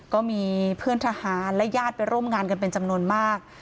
ก็มีเพื่อนทหารและญาติไปร่วมงานกันเป็นจำนวนมาก